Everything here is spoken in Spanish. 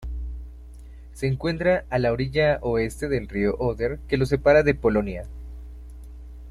Se encuentra a la orilla oeste del río Oder que lo separa de Polonia.